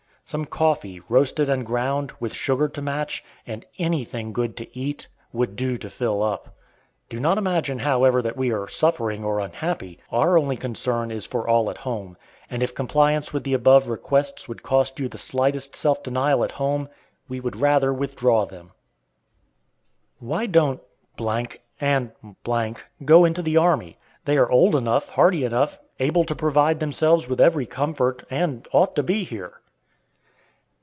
Some coffee, roasted and ground, with sugar to match, and anything good to eat would do to fill up. Do not imagine, however, that we are suffering or unhappy. Our only concern is for all at home; and if compliance with the above requests would cost you the slightest self denial at home, we would rather withdraw them. Why don't and go into the army? They are old enough, hearty enough, able to provide themselves with every comfort, and ought to be here.